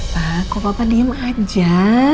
wah kok papa diem aja